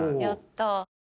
やった。